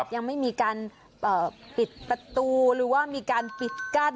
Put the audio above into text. ยังไม่มีการปิดประตูหรือว่ามีการปิดกั้น